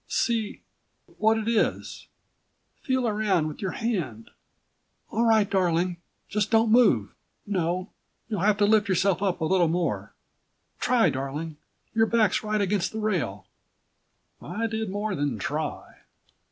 See ... what it is. Feel around with your hand." "All right, darling. Just don't move. No you'll have to lift yourself up a little more. Try, darling. Your back's right against the rail." I did more than try.